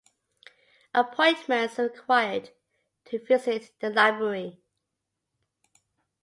Appointments are required to visit the library.